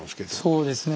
そうですね